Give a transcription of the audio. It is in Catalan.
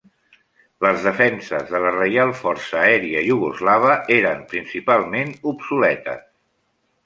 Les defenses de la Reial Força Aèria Iugoslava eren principalment obsoletes.